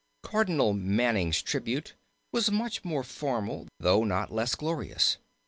Cardinal Manning's tribute was much more formal though not less glorious.